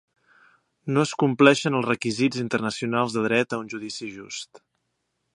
No es compleixen els requisits internacionals de dret a un judici just